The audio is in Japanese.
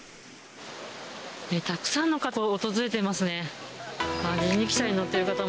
たくさんの方が訪れていますね。